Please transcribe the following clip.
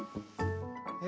え？